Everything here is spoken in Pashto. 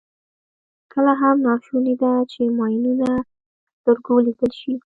کله هم ناشونې ده چې ماینونه په سترګو ولیدل شي.